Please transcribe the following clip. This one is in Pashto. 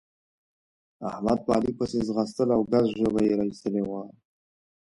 احمد په علي پسې ځغستل او ګز ژبه يې را اېستلې وه.